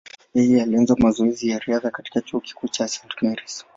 Yeye alifanya mazoezi ya riadha katika chuo kikuu cha St. Mary’s.